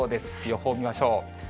予報見ましょう。